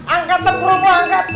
angkat sebelum mau angkat